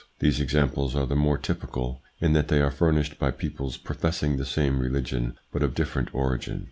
These examples are the more typical, in that they are furnished by peoples professing the same religion but of different origin.